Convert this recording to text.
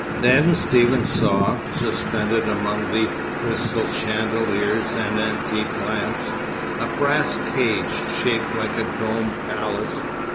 Then Stephen saw, suspended among the crystal chandeliers and antique lamps, a brass cage, shaped like a domed palace.